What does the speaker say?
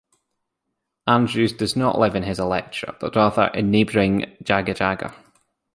Andrews does not live in his electorate but rather in neighbouring Jagajaga.